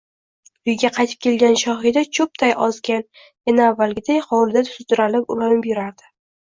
Uyiga qaytib kelgan Shohida cho‘pday ozgan, yana avvalgiday, hovlida sudralib, urinib yurardi